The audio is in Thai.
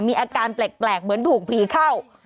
มีอาการแปลกเหมือนถูกผีเข้า